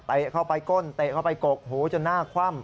เข้าไปก้นเตะเข้าไปกกหูจนหน้าคว่ำ